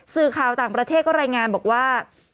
สื่อข่าวต่างประเทศก็รายงานบอกว่า